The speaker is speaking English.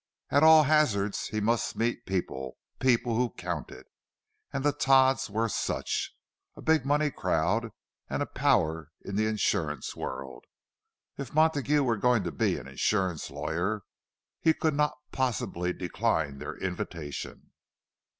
At all hazards, he must meet people—"people who counted." And the Todds were such, a big money crowd, and a power in the insurance world; if Montague were going to be an insurance lawyer, he could not possibly decline their invitation.